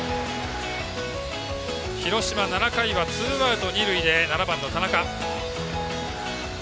広島、７回はツーアウト、二塁で７番の田中。